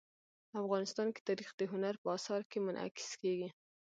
افغانستان کې تاریخ د هنر په اثار کې منعکس کېږي.